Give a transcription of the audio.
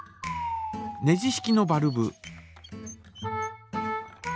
ネジ式のバルブ。